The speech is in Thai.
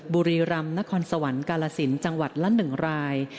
บุรีรำนครสวรรค์กาลสินจังหวัดละ๑ราย